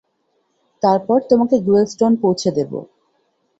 তারপর তোমাকে গুয়েলস্টোন পৌঁছে দেব।